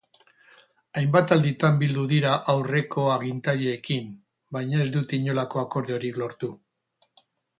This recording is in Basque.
Hainbat alditan bildu dira aurreko agintariekin baina ez dute inolako akordiorik lortu.